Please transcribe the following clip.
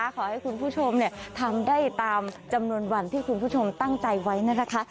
ขอให้คุณผู้ชมทำได้ตามจำนวนวันที่คุณผู้ชมตั้งใจไว้นะคะ